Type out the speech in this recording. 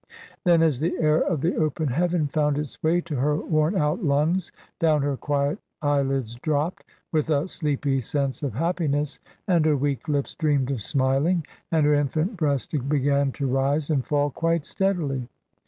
Then as the air of the open heaven found its way to her worn out lungs, down her quiet eyelids dropped, with a sleepy sense of happiness, and her weak lips dreamed of smiling, and her infant breast began to rise and fall quite steadily.